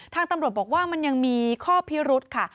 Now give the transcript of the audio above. ทางตำรวจบอกว่ามันยังมีข้อพิรุธค่ะ